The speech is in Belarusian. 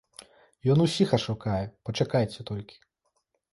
Ён усіх ашукае, пачакайце толькі!